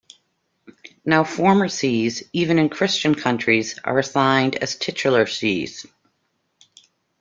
Now former sees even in Christian countries are assigned as titular sees.